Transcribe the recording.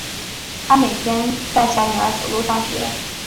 她每天带小女儿走路上学